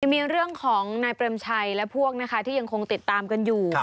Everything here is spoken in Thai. มีเรื่องของนายเปรมชัยและพวกนะคะที่ยังคงติดตามกันอยู่